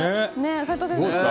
齋藤先生、どうですか？